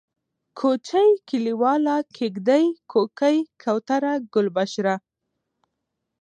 کوچۍ ، کليواله ، کيږدۍ ، کوکۍ ، کوتره ، گلبشره